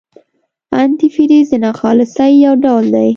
انتي فریز د ناخالصۍ یو ډول دی.